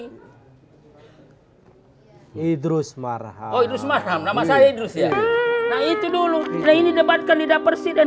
hai idrus marham idrus marham nama saya idrus ya nah itu dulu nah ini debat kandidat presiden